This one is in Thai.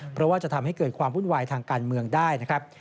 เพราะว่าจะทำให้เกิดความวุ่นวายทางการเมืองได้นะครับ